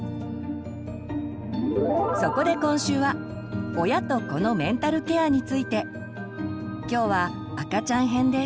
そこで今週は親と子のメンタルケアについて。今日は「赤ちゃん編」です。